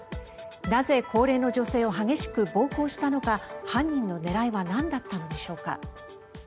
なぜ高齢の女性を激しく暴行したのか犯人の狙いはなんだったのでしょうか。